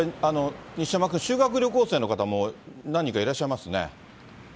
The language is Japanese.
西山君、修学旅行生の方も何人かいらっしゃいますね。